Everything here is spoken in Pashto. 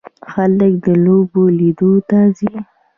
خلک د لوبو لیدلو ته ځي.